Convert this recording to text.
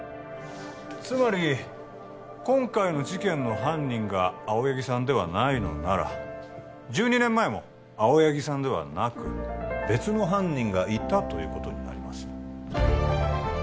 つまり今回の事件の犯人が青柳さんではないのなら１２年前も青柳さんではなく別の犯人がいたということになります